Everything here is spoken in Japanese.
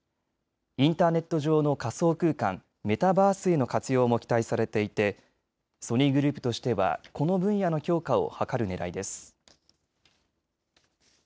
インターネット上の仮想空間、メタバースへの活用も期待されていてソニーグループとしてはこの分野の強化を図るねらいです。